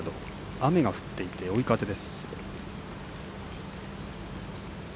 雨が降っていて追い風です。